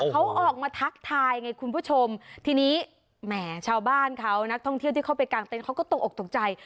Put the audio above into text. เขาออกมาทักทายไงคุณผู้ชมทีนี้แหมชาวบ้านเขานักท่องเที่ยวที่เข้าไปกลางเต็นเขาก็ตกออกตกใจ